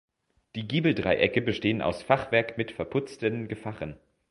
Die Giebeldreiecke bestehen aus Fachwerk mit verputzten Gefachen.